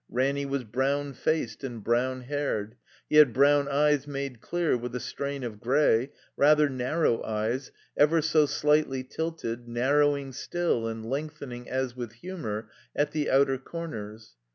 Ranny was brown faced and brown haired; he had brown eyes made clear with a strain of gray, rather narrow eyes, ever so slightly tilted, narrowing still, and lengthening, as with himior, at the outer comers.